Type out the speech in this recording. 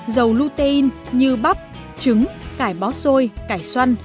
dầu lutein như bắp trứng cải bó xôi cải xoăn